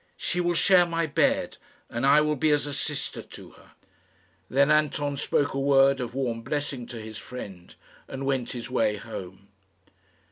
She will share my bed, and I will be as a sister to her." Then Anton spoke a word of warm blessing to his friend, and went his way home.